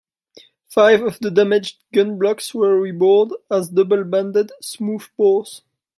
Five of the damaged gun blocks were rebored as double-banded smoothbores.